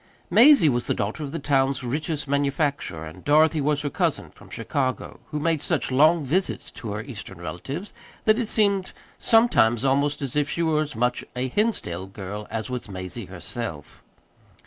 Mazie was the daughter of the town's richest manufacturer, and Dorothy was her cousin from Chicago, who made such long visits to her Eastern relatives that it seemed sometimes almost as if she were as much of a Hinsdale girl as was Mazie herself.